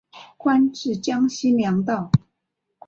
官至江西粮道。